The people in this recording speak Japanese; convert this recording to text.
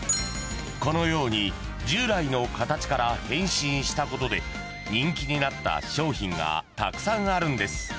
［このように従来の形から変身したことで人気になった商品がたくさんあるんです］